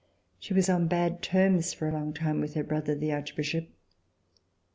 She was on bad terms for a long time with her brother, the Archbishop.